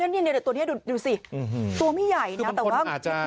ตัวนี้ดูสิตัวไม่ใหญ่แต่ว่ามันเยอะ